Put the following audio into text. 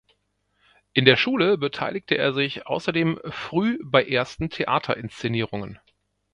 In der Schule beteiligte er sich außerdem früh bei ersten Theaterinszenierungen.